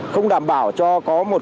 không đảm bảo cho có một cuộc chiến